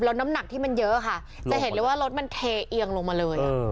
แล้วน้ำหนักที่มันเยอะค่ะจะเห็นเลยว่ารถมันเทเอียงลงมาเลย